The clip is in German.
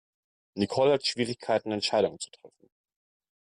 Nicole hat Schwierigkeiten Entscheidungen zu treffen.